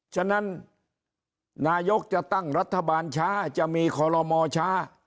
ฉะนั้นนายกจะตั้งรัฐบาลช้าจะมีคอลโลมอช้า